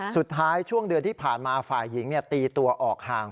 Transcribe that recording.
ช่วงเดือนที่ผ่านมาฝ่ายหญิงตีตัวออกห่าง